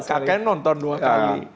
kak ken nonton dua kali